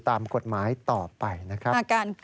ตามกฎหมายต่อไปนะครับ